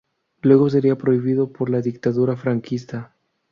Luego sería prohibido por la dictadura franquista.